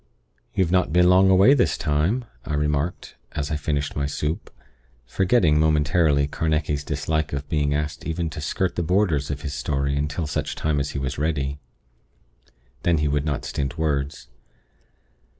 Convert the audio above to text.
"You've not been long away, this time," I remarked, as I finished my soup; forgetting momentarily Carnacki's dislike of being asked even to skirt the borders of his story until such time as he was ready. Then he would not stint words.